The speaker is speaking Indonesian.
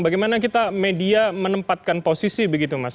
bagaimana kita media menempatkan posisi begitu mas